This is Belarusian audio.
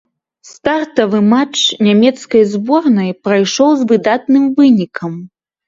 Стартавы матч нямецкай зборнай прайшоў з выдатным вынікам.